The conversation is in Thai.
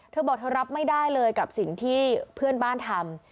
เธอบอกเธอรับไม่ได้เลยกับสิ่งที่เพื่อนบ้านทำ